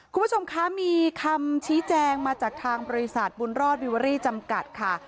คุณผู้ชมคะมีคำชี้แจงมาจากทางบริษัทบุญรอดวิเวอรี่จำกัดค่ะ